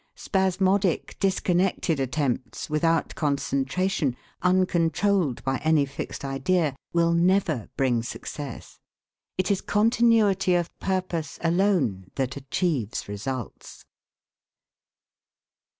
Spasmodic, disconnected attempts, without concentration, uncontrolled by any fixed idea, will never bring success. It is continuity of purpose alone that achieves results.